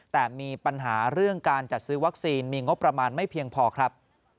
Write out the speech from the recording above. แต่มีปัญหาเรื่องการจัดซื้อวัคซีนมีงบประมาณไม่เพียงพอครับ